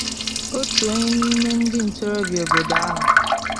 Otu onye n'ime ndị ntorobia obodo ahụ